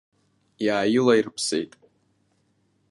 Иааиларԥсеит.